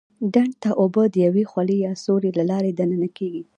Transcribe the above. ډنډ ته اوبه د یوې خولې یا سوري له لارې دننه کېږي.